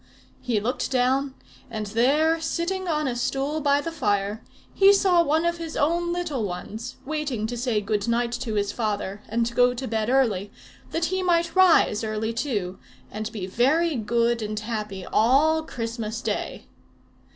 He looked down, and there, sitting on a stool by the fire, he saw one of his own little ones, waiting to say good night to his father, and go to bed early, that he might rise early too, and be very good and happy all Christmas day.